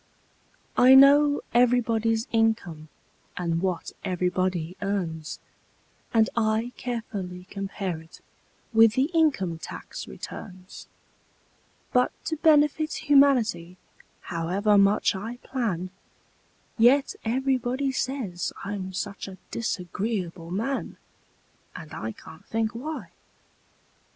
I know everybody's income and what everybody earns, And I carefully compare it with the income tax returns; But to benefit humanity, however much I plan, Yet everybody says I'm such a disagreeable man! And I can't think why!